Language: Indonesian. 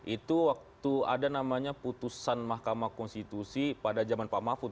itu waktu ada namanya putusan mahkamah konstitusi pada zaman pak mahfud